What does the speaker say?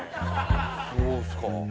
そうですか。